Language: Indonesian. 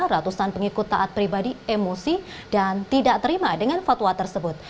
ratusan pengikut taat pribadi emosi dan tidak terima dengan fatwa tersebut